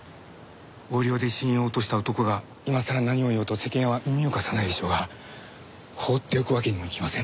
横領で信用を落とした男が今さら何を言おうと世間は耳を貸さないでしょうが放っておくわけにもいきません。